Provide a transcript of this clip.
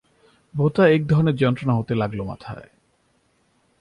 ভোঁতা এক ধরনের যন্ত্রণা হতে লাগল মাথায়।